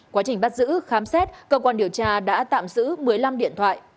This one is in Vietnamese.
quá trình bắt giữ khám xét cơ quan điều tra đã tạm giữ một mươi năm điện thoại